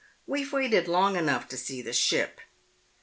We've waited long enough to see the ship.